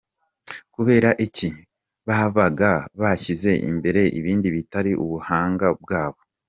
Kubera iki? Babaga bashyize imbere ibindi bitari ubuhanga bwabo….